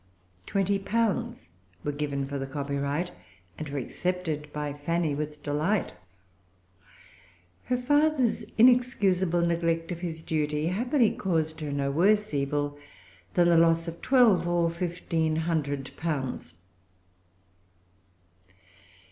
Twenty pounds were given for the copyright, and were accepted by Fanny with delight. Her father's[Pg 349] inexcusable neglect of his duty happily caused her no worse evil than the loss of twelve or fifteen hundred pounds.